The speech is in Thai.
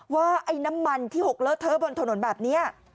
ว่าไอ้น้ำมันที่หกเลอะเทอะบนถนนแบบนี้